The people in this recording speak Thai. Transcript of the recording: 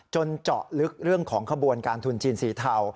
เจาะลึกเรื่องของขบวนการทุนจีนสีเทา